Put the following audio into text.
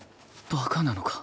バカなのか？